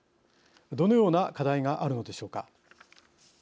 どのような課題があるのでしょうか。